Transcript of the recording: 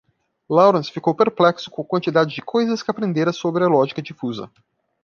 Lawrence ficou perplexo com a quantidade de coisas que aprendera sobre a lógica difusa.